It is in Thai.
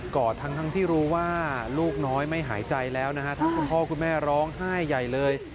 อดทั้งที่รู้ว่าลูกน้อยไม่หายใจแล้วนะฮะทั้งคุณพ่อคุณแม่ร้องไห้ใหญ่เลย